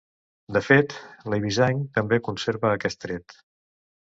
De fet, l'eivissenc també conserva aquest tret.